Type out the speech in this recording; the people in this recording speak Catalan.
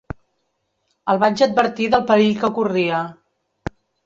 El vaig advertir del perill que corria.